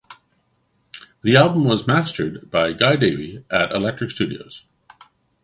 The album was mastered by Guy Davie at Electric studios.